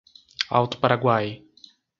Alto Paraguai